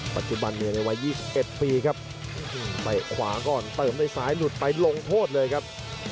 ปัจจุบันเนื้อวัยยี่สิบเอ็ดปีครับไปขวาก่อนเติมในสายหลุดไปลงโทษเลยครับ